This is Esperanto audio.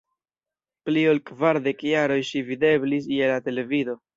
Pli ol kvardek jaroj ŝi videblis je la televido.